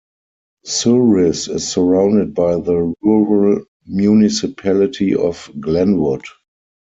Souris is surrounded by the Rural Municipality of Glenwood.